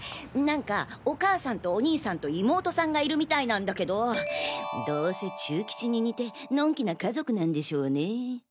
何かお母さんとお兄さんと妹さんがいるみたいなんだけどどうせチュウキチに似てのん気な家族なんでしょうね。